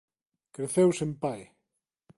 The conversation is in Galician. Creceu sen pai.